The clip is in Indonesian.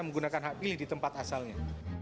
menggunakan hak pilih di tempat asalnya